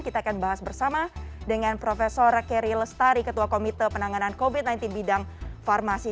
kita akan bahas bersama dengan prof keri lestari ketua komite penanganan covid sembilan belas bidang farmasi